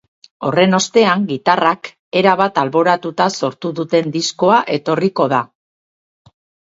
Horren ostean, gitarrak erabat alboratuta sortu duten diskoa etorriko da.